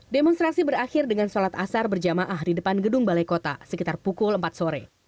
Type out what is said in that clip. demonstrasi berakhir dengan sholat asar berjamaah di depan gedung balai kota sekitar pukul empat sore